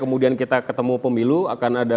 kemudian kita ketemu pemilu akan ada